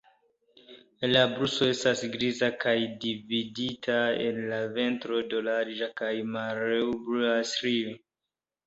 La brusto estas griza, kaj dividita el la ventro de larĝa kaj malhelblua strio.